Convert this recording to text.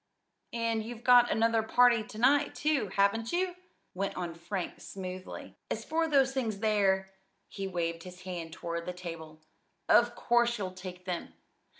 "And you've got another party to night, too; haven't you?" went on Frank smoothly. "As for those things there" he waved his hand toward the table "of course you'll take them.